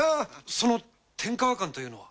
その天河館というのは。